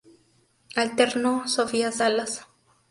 Alternó Sofía Salas.